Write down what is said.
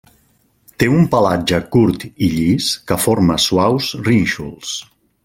Té un pelatge curt i llis que forma suaus rínxols.